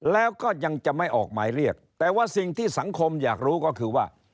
แล้วก็ยังจะไม่ออกหมายเรียกแต่ว่าสิ่งที่สังคมอยากรู้ก็คือว่า